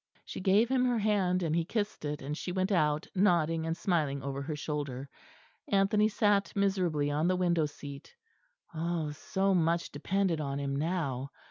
She gave him her hand, and he kissed it, and she went out, nodding and smiling over her shoulder. Anthony sat miserably on the window seat. Ah! so much depended on him now.